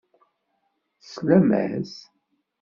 Teslam-as?